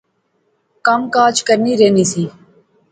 کم کاج کرنی رہنی سی